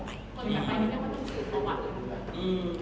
คนต่อไปมันก็ต้องเผชิญต่อไป